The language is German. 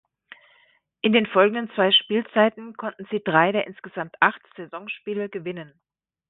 In den folgenden zwei Spielzeiten konnten sie drei der insgesamt acht Saisonspiele gewinnen.